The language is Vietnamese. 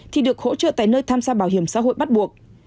thì được hỗ trợ tại nơi tham gia bảo hiểm xã hội bắt buộc